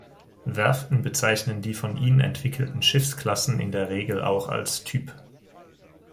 Werften bezeichnen die von ihnen entwickelten Schiffsklassen in der Regel auch als „Typ“.